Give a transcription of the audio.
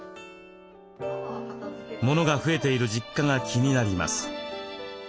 物が増えている実家が気になります。